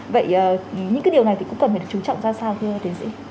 vậy những cái điều này thì cũng cần phải được trú trọng ra sao thưa thế diễm